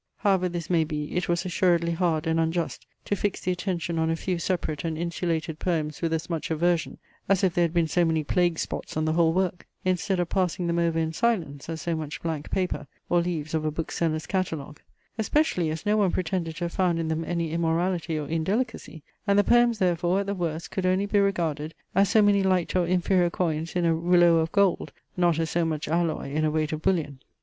However this may be, it was assuredly hard and unjust to fix the attention on a few separate and insulated poems with as much aversion, as if they had been so many plague spots on the whole work, instead of passing them over in silence, as so much blank paper, or leaves of a bookseller's catalogue; especially, as no one pretended to have found in them any immorality or indelicacy; and the poems, therefore, at the worst, could only be regarded as so many light or inferior coins in a rouleau of gold, not as so much alloy in a weight of bullion.